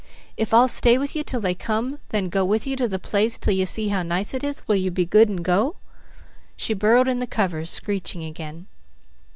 If I'll stay with you 'til they come, then go with you to the place 'til you see how nice it is, will you be good and go?" She burrowed in the covers, screeching again.